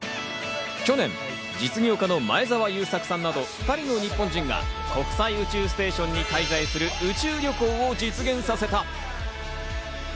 去年実業家の前澤友作さんなど２人の日本人が国際宇宙ステーションに滞在する宇宙旅行を実現させた。